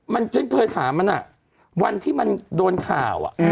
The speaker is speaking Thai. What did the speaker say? มันฉันเคยถามมันวันที่มันโดนข่าว